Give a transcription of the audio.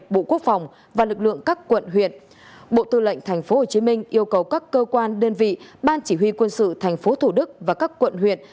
bộ tư lệnh tp hcm yêu cầu các cơ quan đơn vị ban chỉ huy quân sự tp thủ đức và các quận huyện